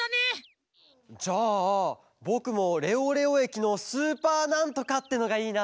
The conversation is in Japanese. じゃあぼくも「レオレオえきのスーパーなんとか」ってのがいいな。